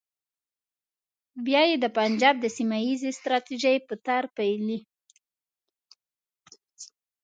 بیا یې د پنجاب د سیمه ییزې ستراتیژۍ په تار پېیلې.